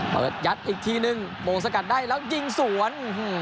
เปิดยัดอีกทีนึงโบสกัดได้แล้วยิงสวน